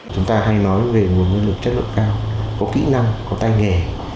chúng ta hay nói về nguồn nhân lực chất lượng cao có kỹ năng có tay nghề